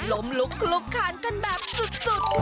ล้มลุกลุกคานกันแบบสุด